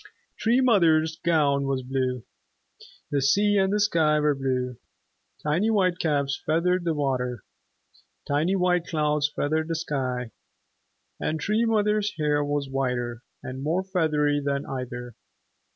Tree Mother's gown was blue. The sea and the sky were blue. Tiny white caps feathered the water. Tiny white clouds feathered the sky. And Tree Mother's hair was whiter and more feathery than either.